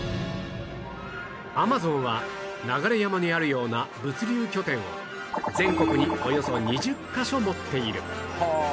Ａｍａｚｏｎ は流山にあるような物流拠点を全国におよそ２０カ所持っている